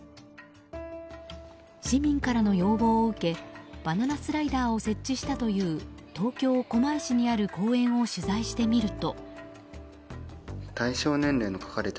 市民からの要望を受けバナナスライダーを設置したという東京・狛江市にある公園を取材してみると。